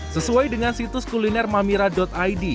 sesuai dengan situs kuliner mamira id